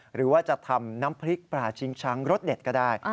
หรือว่าจะทำน้ำพริกปลาชิงช้างรสเด็ดก็ได้